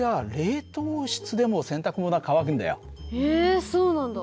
例えばへえそうなんだ。